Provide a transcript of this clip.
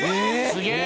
すげえ。